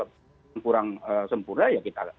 yang kurang sempurna ya kita